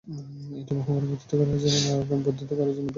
এটি বহুবার বর্ধিত করা হয়েছে এবং আরও বর্ধিত করার জন্য বিবেচনা করা হয়েছে।